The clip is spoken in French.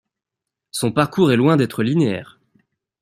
Son parcours est loin d’être linéaire.